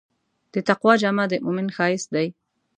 د تقوی جامه د مؤمن ښایست دی.